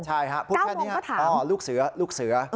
ใช่ค่ะพูดแค่นี้อ๋อลุงเศรือ